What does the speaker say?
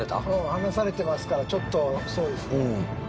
離されてますからちょっとそうですね。